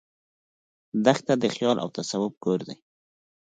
دښته د خیال او تصوف کور دی.